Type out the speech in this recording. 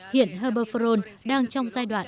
hiện heberferon đang trong giai đoạn